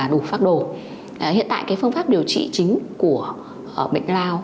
được phát đồ hiện tại cái phương pháp điều trị chính của bệnh lao